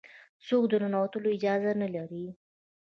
څوک د ننوتلو اجازه نه لري.